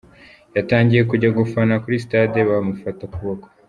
Yatangiye kujya gufana kuri Stade, bamufata ukuboko.